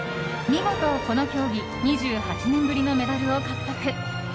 見事、この競技２８年ぶりのメダルを獲得。